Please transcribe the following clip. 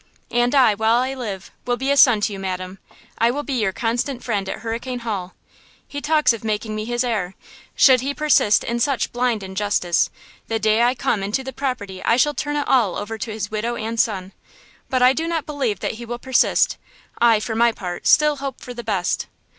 "And I, while I live, will be a son to you, madam! I will be your constant friend at Hurricane Hall. He talks of making me his heir. Should he persist in such blind injustice, the day I come into the property I shall turn it all over to his widow and son. But I do not believe that he will persist; I, for my part, still hope for the best."